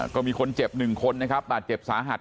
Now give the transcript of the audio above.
ก็มีคนเจ็บ๑คนนะครับบาดเจ็บสาหัส